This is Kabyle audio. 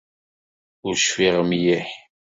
Ur cfiɣ mliḥ.